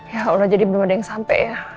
ya allah jadi belum ada yang sampai ya